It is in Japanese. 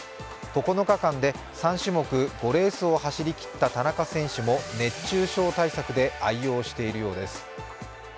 ９日間で３種目５レースを走りきった田中選手も熱中症対策で愛用しているようです。